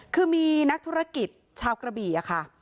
คือมีนักธุรกิจชาวกระบี่ค่ะ